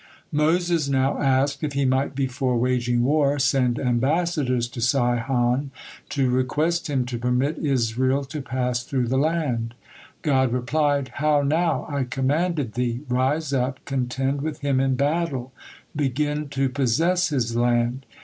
Moses now asked if he might before waging war send ambassadors to Sihon to request him to permit Israel to pass through the land. God replied: "How now! I commanded thee, 'Rise up, contend with him in battle, begin to possess his land!'